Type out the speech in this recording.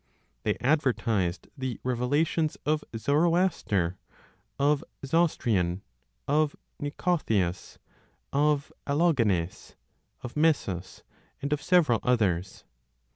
They advertised the Revelations of Zoroaster, of Zostrian, of Nicotheus, of Allogenes, of Mesus, and of several others.